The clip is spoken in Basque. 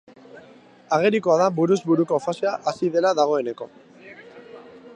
Agerikoa da buruz buruko fasea hasi dela dagoeneko.